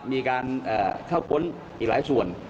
มีการเข้าค้นอีกหลายส่วน